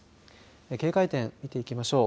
警戒点見ていきましょう。